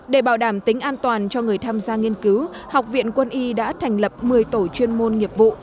để bảo đảm tính an toàn cho người tham gia nghiên cứu học viện quân y đã thành lập một mươi tổ chuyên môn nghiệp vụ